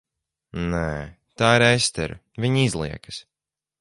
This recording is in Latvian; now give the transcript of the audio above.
Nē. Tā ir Estere, viņa izliekas.